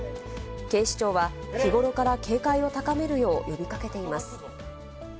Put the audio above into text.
警視庁は日頃から警戒を高めるよう呼びかけています。